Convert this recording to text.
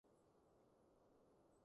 八街九陌